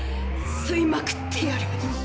吸いまくってやる。